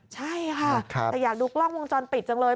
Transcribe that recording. ใช่ค่ะแต่อยากดูกล้องวงจรปิดจังเลย